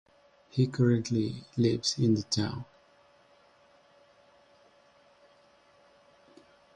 He currently lives in the town.